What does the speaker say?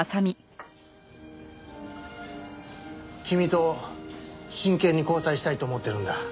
君と真剣に交際したいと思ってるんだ。